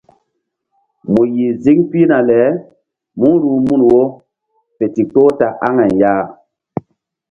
Mu yih ziŋ pihna le mú ruh mun wo fe ndikpoh ta aŋay ya.